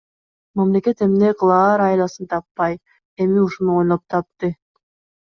Мамлекет эмне кылаар айласын таппай, эми ушуну ойлоп тапты.